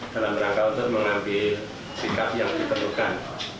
dalam rangka untuk mengambil sikap yang diperlukan